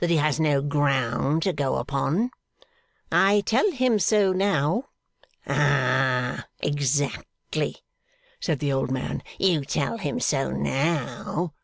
That he has no ground to go upon?' 'I tell him so now.' 'Ah! Exactly,' said the old man. 'You tell him so now.